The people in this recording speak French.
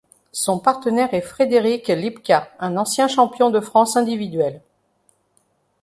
Son partenaire est Frédéric Lipka, un ancien champion de France individuel.